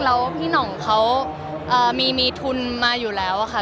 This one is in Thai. แล้วพี่หน่องเขามีทุนมาอยู่แล้วค่ะ